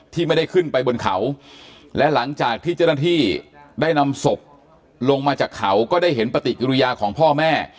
ที่ไม่ได้ขึ้นไปบนเขาและหลังจากที่เจ้าหน้าที่ได้นำศพลงมาจากเขาก็ได้เห็นปฏิกิริยาของพ่อแม่